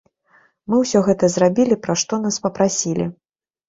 Мы ўсё гэта зрабілі, пра што нас папрасілі.